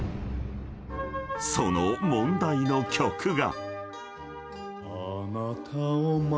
［その問題の曲が］